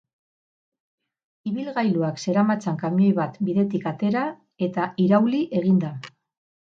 Ibilgailuak zeramatzan kamioi bat bidetik atera eta irauli egin da.